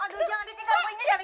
aduh jangan di tinggal